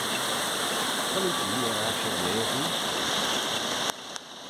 Vel oo gee er aght er-lheh erbee?